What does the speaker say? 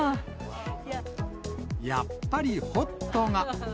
やっぱりホットが。